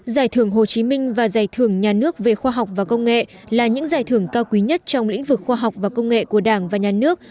giải thưởng hồ chí minh và giải thưởng nhà nước về khoa học và công nghệ là những giải thưởng cao quý nhất trong lĩnh vực khoa học và công nghệ của đảng và nhà nước